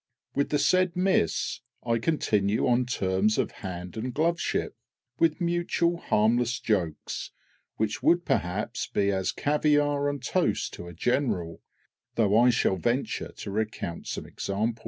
With the said Miss I continue on terms of hand and gloveship, with mutual harmless jokes, which would perhaps be as caviare on toast to a general, though I shall venture to recount some examples.